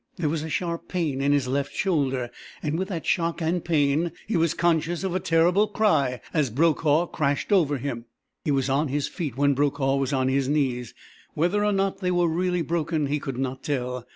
There was a sharp pain in his left shoulder, and with that shock and pain he was conscious of a terrible cry as Brokaw crashed over him. He was on his feet when Brokaw was on his knees. Whether or not they were really broken he could not tell.